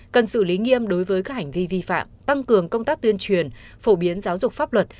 cần xử lý nghiêm đối với các hành vi vi phạm tăng cường công tác tuyên truyền phổ biến giáo dục pháp luật